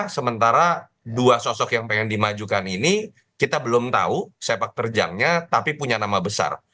sementara dua sosok yang pengen dimajukan ini kita belum tahu sepak terjangnya tapi punya nama besar